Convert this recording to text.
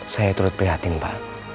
saya turut prihatin pak